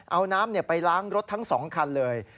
เอาน้ำไปล้างรถทั้ง๒คันเลย